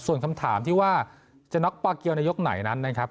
ส่วนคำถามที่ว่าจะน็อกปาเกียวในยกไหนนั้นนะครับ